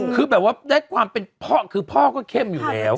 คือแบบว่าได้ความเป็นพ่อคือพ่อก็เข้มอยู่แล้ว